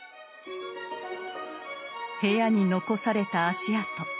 部屋に残された足跡。